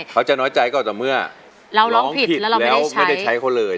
เขาจะน้อยใจก็ต่อเมื่อร้องผิดแล้วไม่ได้ใช้เขาเลย